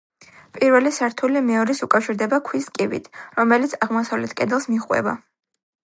პირველი სართული მეორეს უკავშირდება ქვის კიბით, რომელიც აღმოსავლეთ კედელს მიჰყვება.